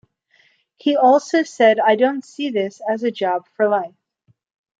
He also said I don't see this as a job for life.